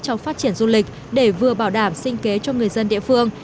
trong phát triển du lịch để vừa bảo đảm sinh kế cho người dân địa phương